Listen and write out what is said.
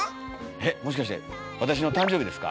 えっもしかして私の誕生日ですか？